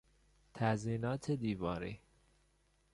تزیینات دیواری